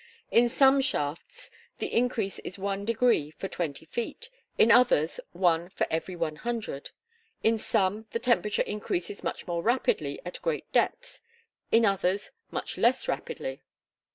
In some shafts the increase is one degree for twenty feet; in others, one for every one hundred; in some, the temperature increases much more rapidly at great depths, in others, much less rapidly.